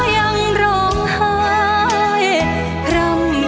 โปรดติดตามต่อไป